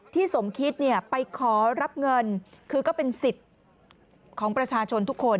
สมคิดไปขอรับเงินคือก็เป็นสิทธิ์ของประชาชนทุกคน